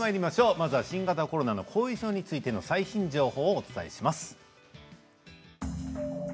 まずは新型コロナの後遺症についての最新情報をお伝えします。